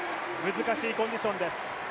難しいコンディションです。